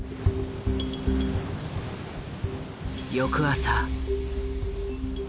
翌朝。